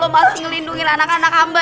masih ngelindungi anak anak amba